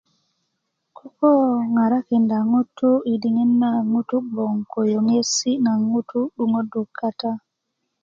ŋutuu ŋarakinda ŋutu' yi diŋit naŋ ŋutu' gboŋ ko yöyöŋsi naŋ ŋutu' 'duŋödu kata